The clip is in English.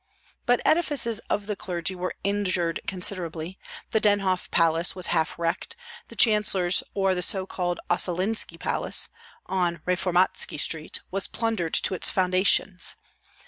But edifices of the clergy were injured considerably; the Denhof Palace was half wrecked; the chancellor's or the so called Ossolinski Palace, on Reformatski Street, was plundered to its foundations.